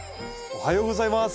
おはようございます。